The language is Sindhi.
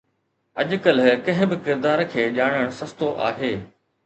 اڄڪلهه ڪنهن به ڪردار کي ڄاڻڻ سستو آهي